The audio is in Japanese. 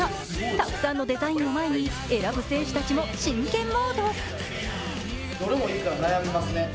たくさんのデザインを前に選ぶ選手たちも真剣モード。